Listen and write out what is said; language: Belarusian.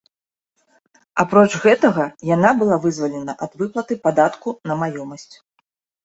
Апроч гэтага, яна была вызвалена ад выплаты падатку на маёмасць.